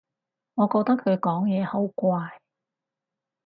我覺得佢講嘢好怪